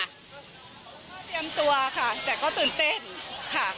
ก็พร้อมกล้าเตรียมตัวค่ะแต่ก็ตื่นเต้นค่ะ